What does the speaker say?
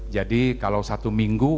jadi kalau satu minggu